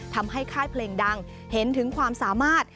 ค่ายเพลงดังเห็นถึงความสามารถ